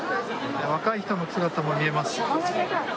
若い人の姿も見えます。